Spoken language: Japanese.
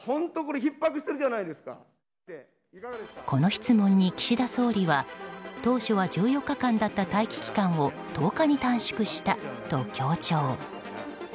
この質問に岸田総理は当初は１４日間だった待機期間を１０日に短縮したと強調。